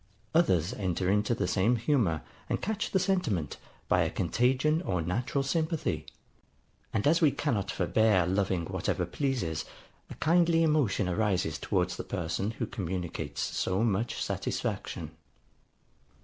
Others enter into the same humour, and catch the sentiment, by a contagion or natural sympathy; and as we cannot forbear loving whatever pleases, a kindly emotion arises towards the person who communicates so much satisfaction.